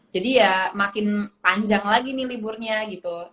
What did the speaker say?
jadi ya makin panjang lagi nih liburnya gitu